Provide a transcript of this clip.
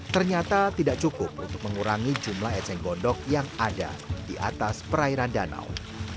ternyata tidak cukup untuk mengurangi jumlah eceng gondok yang ada di atas perairan danau